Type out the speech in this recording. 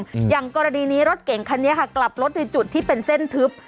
อย่างกรณีนี้รถเก่งคันนี้ค่ะกลับรถในจุดที่เป็นเส้นทึบ